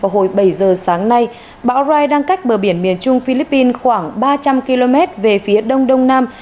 hồi bảy giờ sáng nay bão rai đang cách bờ biển miền trung philippines khoảng ba trăm linh km về phía đông đông nam